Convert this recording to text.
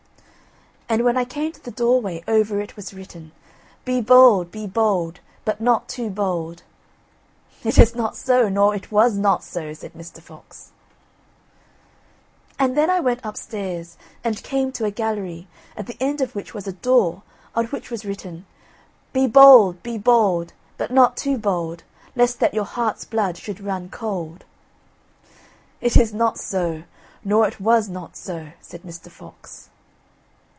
"And when I came to the doorway over it was written: BE BOLD, BE BOLD, BUT NOT TOO BOLD. "It is not so, nor it was not so," said Mr. Fox. "And then I went upstairs, and came to a gallery, at the end of which was a door, on which was written: BE BOLD, BE BOLD, BUT NOT TOO BOLD, LEST THAT YOUR HEART'S BLOOD SHOULD RUN COLD. "It is not so, nor it was not so," said Mr. Fox.